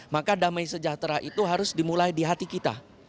maka damai sejahtera itu harus dimulai di hati kita